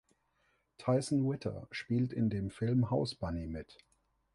Tyson Ritter spielt in dem Film House Bunny mit.